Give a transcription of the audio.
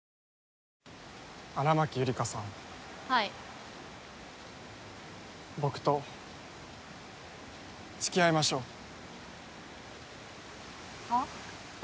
荒牧ゆりかさんはい僕と付き合いましょうはっ？